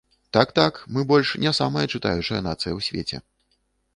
Так-так, мы больш не самая чытаючая нацыя ў свеце.